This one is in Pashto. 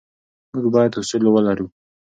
موږ باید اصول ولرو.